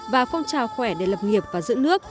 và phong trào khỏe để lập nghiệp và giữ nước